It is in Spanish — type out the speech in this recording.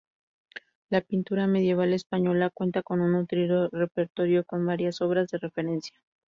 La pintura medieval española cuenta con un nutrido repertorio, con varias obras de referencia.